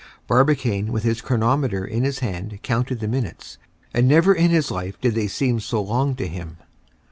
Barbicane with his chronometer in his hand counted the minutes, and never in his life did they seem so long to him.